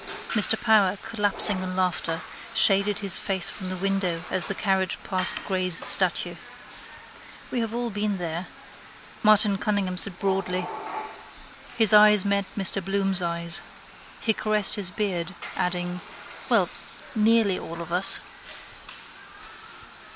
Mr Power, collapsing in laughter, shaded his face from the window as the carriage passed Gray's statue. —We have all been there, Martin Cunningham said broadly. His eyes met Mr Bloom's eyes. He caressed his beard, adding: —Well, nearly all of us.